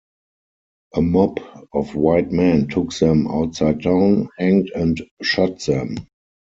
A mob of white men took them outside town, hanged and shot them.